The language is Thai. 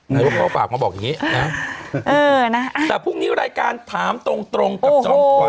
หรือว่าเข้าปากมาบอกอย่างงี้นะครับแต่พรุ่งนี้รายการถามตรงตรงกับจอมขวัญ